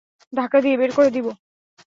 ধাক্কা দিয়ে বের করে দিবো?